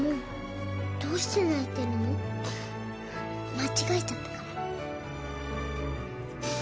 「間違えちゃったから？」